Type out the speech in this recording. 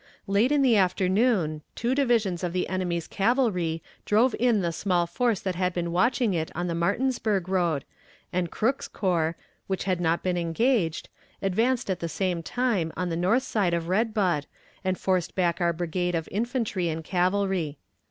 Late in the afternoon, two divisions of the enemy's cavalry drove in the small force that had been watching it on the Martinsburg road, and Crook's corps, which had not been engaged, advanced at the same time on the north side of Red Bud and forced back our brigade of infantry and cavalry.